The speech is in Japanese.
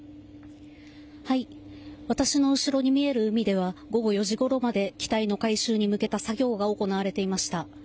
私の後ろに見える海では午後４時ごろまで機体の回収に向けた作業が行われていました。